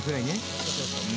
そうそうそう。